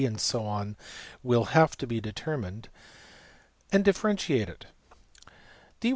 \ will have to be determined), and differentiate it.